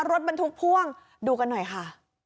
รถบรรทุกพ่วงดูกันหน่อยค่ะ